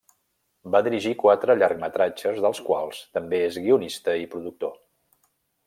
Va dirigir quatre llargmetratges dels quals també és guionista i productor.